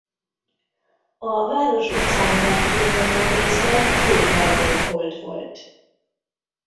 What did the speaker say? A város utcáinak túlnyomó része kővel burkolt volt.